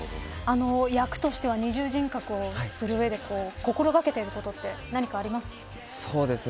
役としては二重人格をする上で心掛けていることは何かあります。